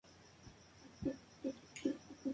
Durante su persistente cruzada, su ex-marido muere.